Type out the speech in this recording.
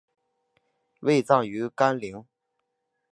归葬于干陵。